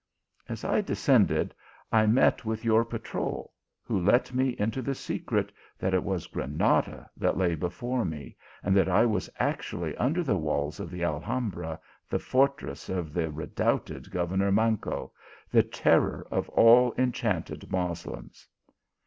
As I descended, I met with your patrol, who let me into the secret that it was Gra nada that lay before me : and that I was actually un der the walls of the Alhambra, the fortress of the redoubted governor Manco, the terror of all en chanted Moslems.